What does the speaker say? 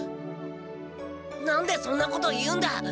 何でそんなこと言うんだ！